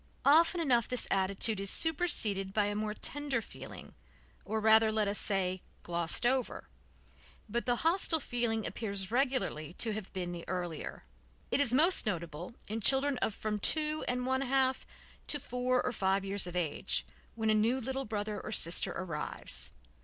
Often enough this attitude is superseded by a more tender feeling, or rather let us say glossed over, but the hostile feeling appears regularly to have been the earlier. It is most noticeable in children of from two and one half to four or five years of age, when a new little brother or sister arrives.